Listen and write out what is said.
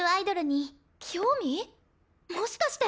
もしかして。